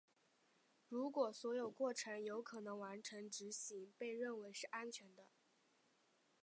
如果所有过程有可能完成执行被认为是安全的。